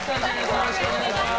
よろしくお願いします。